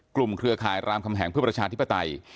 เครือข่ายรามคำแหงเพื่อประชาธิปไตย